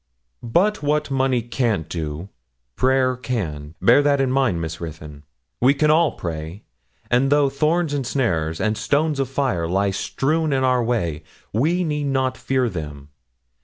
'But what money can't do, prayer can bear that in mind, Miss Ruthyn. We can all pray; and though thorns and snares, and stones of fire lie strewn in our way, we need not fear them.